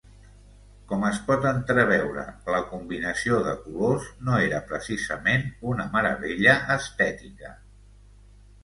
Com es pot entreveure la combinació de colors no era precisament una meravella estètica.